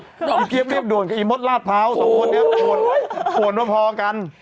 อีเตี๊ยบเรียกด่วนกับอีมดลาดเภาสองคนเนี่ยห่วนพอกัน